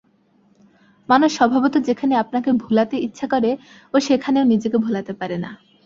মানুষ স্বভাবত যেখানে আপনাকে ভোলাতে ইচ্ছা করে ও সেখানেও নিজেকে ভোলাতে পারে না।